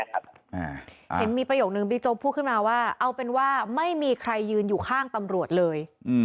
เห็นมีประโยคนึงบิ๊กโจ๊กพูดขึ้นมาว่าเอาเป็นว่าไม่มีใครยืนอยู่ข้างตำรวจเลย